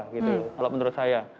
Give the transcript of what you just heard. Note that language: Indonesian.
kalau menurut saya